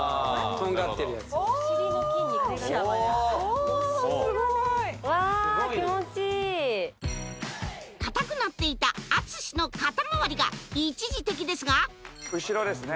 とんがってるやつかたくなっていた淳の肩まわりが一時的ですが後ろですね